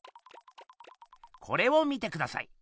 これを見てください。